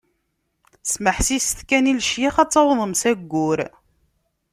Smeḥsiset kan i lecyax ad tawḍem s ayyur!